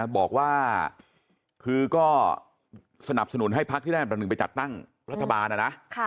บอกว่าคือก็สนับสนุนให้ภักร์ที่แรกแบบนึงไปจัดตั้งรัฐบาล